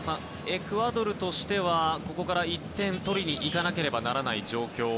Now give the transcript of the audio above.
エクアドルとしてはここから１点を取りにいかなければならない状況。